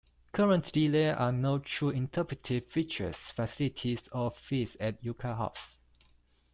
Currently, there are no true interpretive features, facilities or fees at Yucca House.